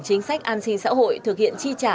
chính sách an sinh xã hội thực hiện chi trả